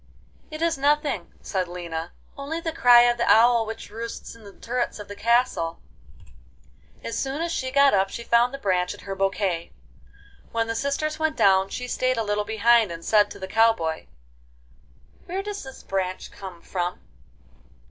'It is nothing,' said Lina; 'only the cry of the owl which roosts in the turrets of the castle.' XI As soon as she got up she found the branch in her bouquet. When the sisters went down she stayed a little behind and said to the cow boy: 'Where does this branch come from?